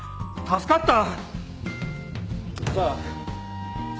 助かった。